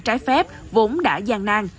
trái phép vốn đã gian nang